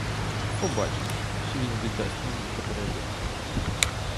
Побачу, чи він віддасть мені в потребі.